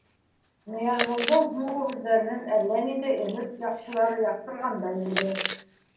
Ныязғолдоң һуңғы һүҙҙәренән әллә ниндәй өмөт яҡтылары яҡтырғандай булды.